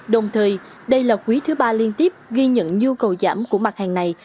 đồng thời đây là quý iii liên tiếp ghi nhận nhu cầu giảm của mặt hàng này